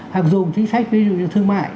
hoặc dùng chính sách bình ổn giá thương mại